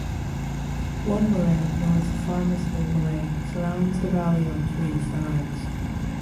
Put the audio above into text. One moraine known as the Farmersville moraine surrounds the valley on three sides.